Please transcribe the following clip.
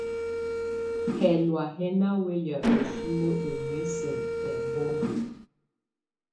Hɛlɔ̀á hɛ́ ná wɛya ǝ́finǝ́ ú mǝ́ǝ́sǝ́ ɛmbɔma.